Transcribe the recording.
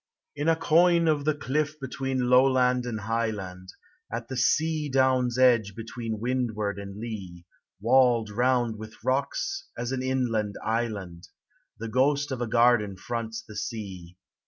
In a coign of the cliff between lowland and high land. At the sea down's edge between windward and lee, Walled round with rocks as an inland island. The ghost of a garden fronts the sea.